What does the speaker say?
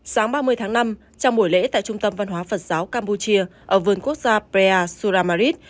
sáng ba mươi tháng năm trong buổi lễ tại trung tâm văn hóa phật giáo campuchia ở vườn quốc gia prea suramarid